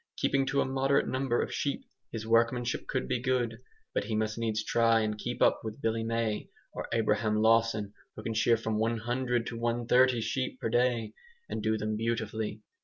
Keeping to a moderate number of sheep, his workmanship could be good. But he must needs try and keep up with Billy May or Abraham Lawson, who can shear from 100 to 130 sheep per day, and do them beautifully.